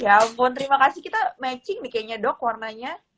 ya ampun terima kasih kita matching nih kayaknya dok warnanya